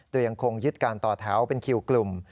โดยยังคงยึดการต่อแถวเป็นคิวกลุ่ม